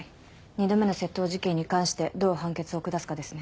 ２度目の窃盗事件に関してどう判決を下すかですね。